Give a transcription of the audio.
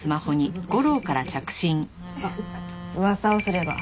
あっ噂をすれば。